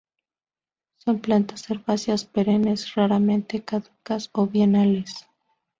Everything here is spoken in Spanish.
Son plantas herbáceas perennes, raramente caducas o bienales.